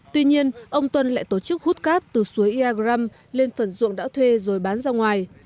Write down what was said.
tuy nhiên ông tuân lại tổ chức hút cát từ suối iagram lên phần ruộng đã thuê rồi bán ra ngoài